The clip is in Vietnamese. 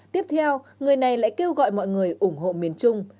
tiếp theo người này lại kêu gọi mọi người ủng hộ miền trung